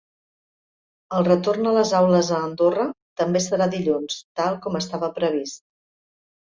El retorn a les aules a Andorra també serà dilluns, tal com estava previst.